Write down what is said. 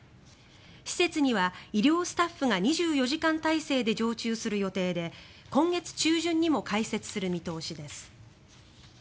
施設には医療スタッフが２４時間体制で常駐する予定で今月中旬にも開設する見通しです。